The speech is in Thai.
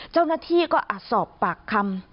เจ้าหน้าที่ก็สอบปากคำ